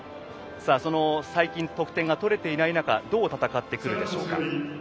その最近得点が取れていない中どう戦ってくるでしょうか。